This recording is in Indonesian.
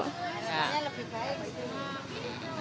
harapannya lebih baik